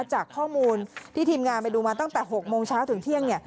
จากข้อมูลที่ทีมงานไปดูมาตั้งแต่๖โมงเช้าถึงเที่ยง